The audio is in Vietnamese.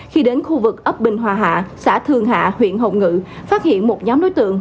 khi đến khu vực ấp bình hòa hạ xã thường hạ huyện hồng ngự phát hiện một nhóm đối tượng